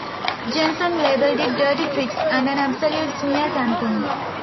Jensen labelled it "dirty tricks" and an "absolute smear campaign".